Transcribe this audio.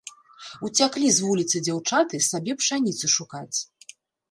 Уцяклі з вуліцы дзяўчаты сабе пшаніцы шукаць.